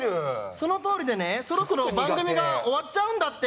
そのとおりでねそろそろ番組が終わっちゃうんだって！